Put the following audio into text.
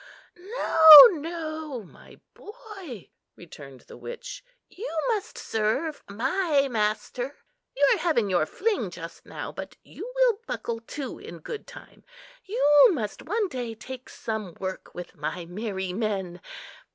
"No, no, my boy," returned the witch, "you must serve my master. You are having your fling just now, but you will buckle to in good time. You must one day take some work with my merry men.